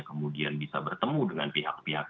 kemudian bisa bertemu dengan pihak pihak